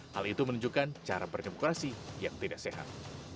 hal itu menunjukkan cara berdemokrasi yang tidak sehat